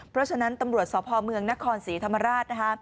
เพราะฉะนั้นตำรวจสพเมืองนครศรีธรรมราชนะคะ